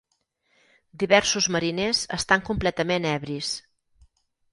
Diversos mariners estan completament ebris.